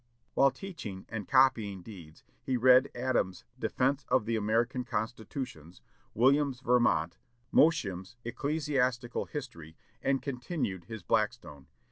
While teaching and copying deeds, he read Adam's "Defence of the American Constitutions," Williams' "Vermont," Mosheim's "Ecclesiastical History," and continued his Blackstone.